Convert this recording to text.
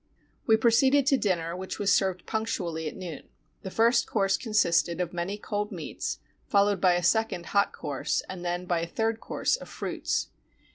We proceeded to dinner, which was served punctually at noon. The first course consisted of many cold meats, followed by a second hot course, and then by a third course of fruits.